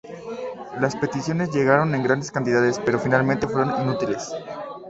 Las peticiones llegaron en grandes cantidades, pero finalmente fueron inútiles.